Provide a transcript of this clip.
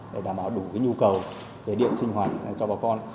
đó là đủ nhu cầu để điện sinh hoạt cho bà con